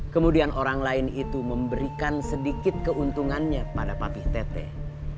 kemudian orang lain itu memberikan sedikit keuntungannya kepada papih teteh